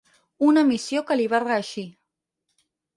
Una missió que li va reeixir.